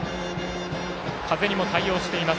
風にも対応しています。